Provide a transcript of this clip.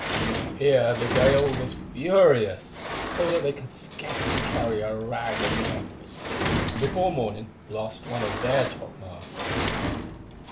Here the gale was furious, so that they could scarcely carry a rag of canvas, and before morning lost one of their topmasts.